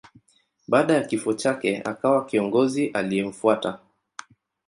Baada ya kifo chake akawa kiongozi aliyemfuata.